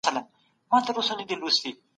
کمزوری انسان د بل لاس نشي نیولی.